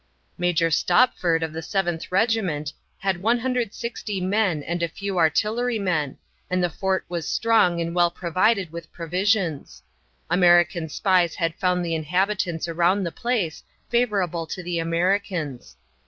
Major Stopford of the Seventh Regiment had 160 men and a few artillerymen, and the fort was strong and well provided with provisions. American spies had found the inhabitants around the place favorable to the Americans.